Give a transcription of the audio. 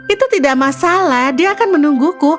itu tidak masalah dia akan menungguku